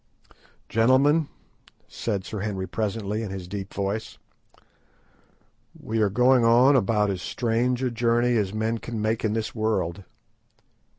"Gentlemen," said Sir Henry presently, in his deep voice, "we are going on about as strange a journey as men can make in this world.